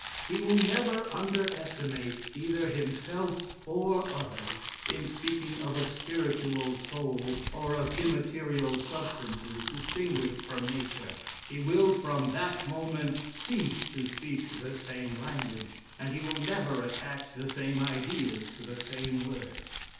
He will never understand either himself or others, in speaking of a spiritual soul, or of immaterial substances distinguished from nature; he will, from that moment, cease to speak the same language, and he will never attach the same ideas to the same words.